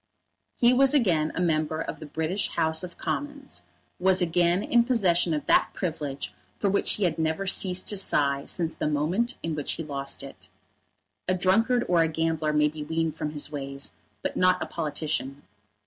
He was again a member of the British House of Commons, was again in possession of that privilege for which he had never ceased to sigh since the moment in which he lost it. A drunkard or a gambler may be weaned from his ways, but not a politician.